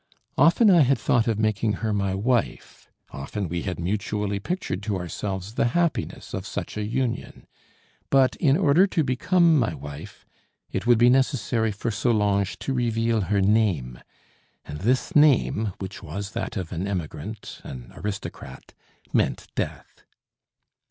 Often I had thought of making her my wife; often we had mutually pictured to ourselves the happiness of such a union. But in order to become my wife, it would be necessary for Solange to reveal her name; and this name, which was that of an emigrant, an aristocrat, meant death.